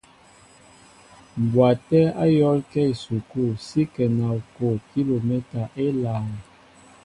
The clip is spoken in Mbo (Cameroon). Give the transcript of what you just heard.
Mbwaté a yól kέ a esukul si ŋkέŋa okoʼo kilomɛta élāān.